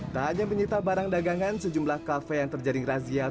tak hanya menyita barang dagangan sejumlah kafe yang terjaring razia